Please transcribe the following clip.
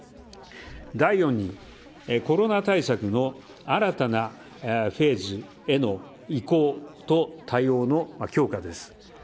第４に、コロナ対策の新たなフェーズへの移行と対応の強化です。